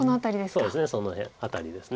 そうですねその辺りです。